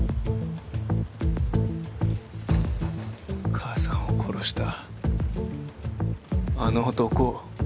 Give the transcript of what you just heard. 母さんを殺したあの男を。